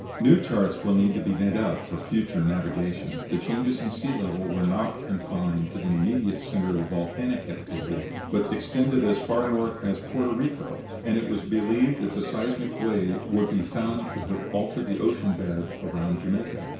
New charts will need to be made for future navigation. The changes in sea levels were not confined to the immediate centre of volcanic activity, but extended as far north as Porto Rico, and it was believed that the seismic wave would be found to have altered the ocean bed round Jamaica.